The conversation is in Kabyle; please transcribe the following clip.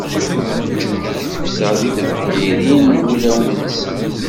Teǧǧuǧǧeg tefsa di tebḥirin n wulawen-nsen.